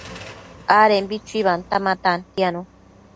adembi chuibanta ma tantianu